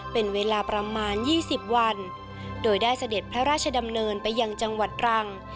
เป็นเวลาประมาณ๒๐วันโดยได้เสด็จพระราชดำเนินไปยังจังหวัดรัง